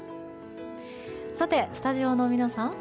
さて、スタジオの皆さん。